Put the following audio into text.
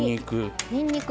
にんにく。